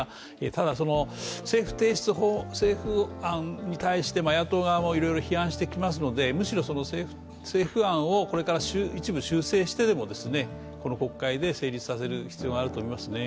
ただ政府案に対して野党側も批判してきますのでむしろ政府案をこれから一部修正してでもこの国会で成立させる必要があると思いますね。